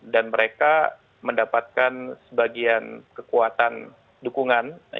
dan mereka mendapatkan sebagian kekuatan dukungan